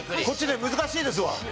こっちね難しいですわ。